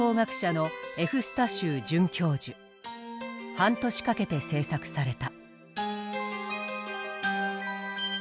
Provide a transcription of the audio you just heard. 半年かけて制作された。